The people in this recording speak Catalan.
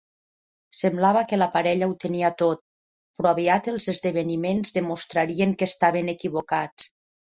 Semblava que la parella ho tenia tot, però aviat els esdeveniments demostrarien que estaven equivocats.